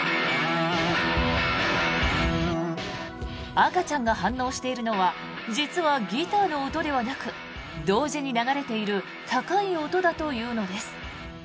赤ちゃんが反応しているのは実はギターの音ではなく同時に流れている高い音だというのです。